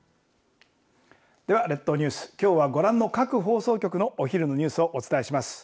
では列島ニュースきょうはご覧の各放送局のお昼のニュースをお伝えします。